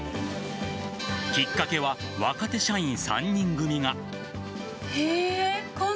きっかけは、若手社員３人組が。